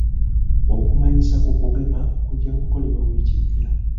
Okumanyisa ku kugema kujja kukolebwa wiiki ejja.